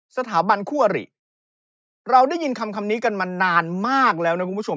สถาบันคู่อริเราได้ยินคำนี้กันมานานมากแล้วนะคุณผู้ชม